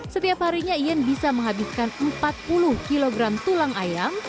setiap harinya ian bisa menghabiskan empat puluh kg tulang ayam